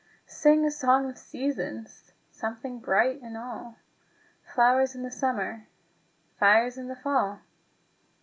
Sing a song of seasons! Something bright in all! Flowers in the summer, Fires in the fall!